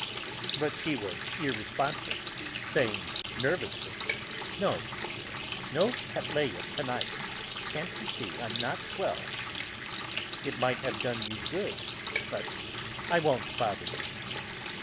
But she was irresponsive; saying nervously: "No, dear, no cattleya tonight. Can't you see, I'm not well?" "It might have done you good, but I won't bother you."